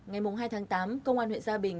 ngày hai tháng tám công an huyện gia bình